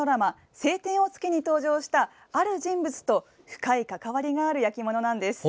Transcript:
「青天を衝け」に登場したある人物と深い関わりがある焼き物なんです。